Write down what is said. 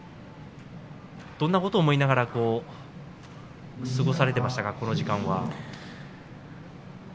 どんなことを思いながら過ごされていましたかこの時間は。